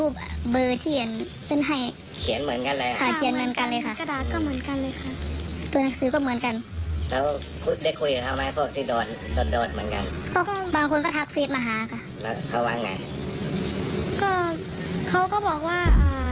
เขาก็บอกว่า